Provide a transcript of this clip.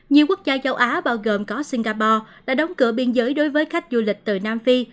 nhiều quốc gia châu á bao gồm có singapore đã đóng cửa biên giới đối với khách du lịch từ nam phi